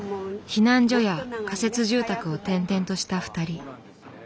避難所や仮設住宅を転々とした２人。